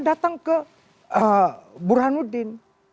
datang ke burhanuddin